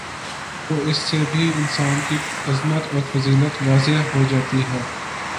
تو اس سے بھی انسان کی عظمت اور فضیلت واضح ہو جاتی ہے